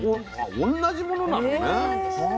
同じものなのね。